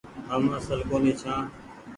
هم اسل ڪونيٚ ڇآن۔